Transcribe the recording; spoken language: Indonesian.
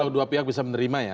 jadi dua pihak bisa menerima ya